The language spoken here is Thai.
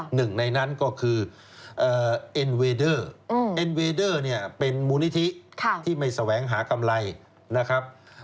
หนึ่งในนั้นก็คือเอ็นเวเดอร์เป็นมูลนิธิที่ไม่แสวงหากำไรนะครับ